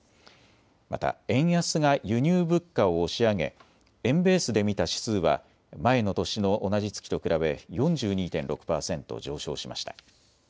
また円安が輸入物価を押し上げ円ベースで見た指数は前の年の同じ月と比べ４２．６％上昇しました。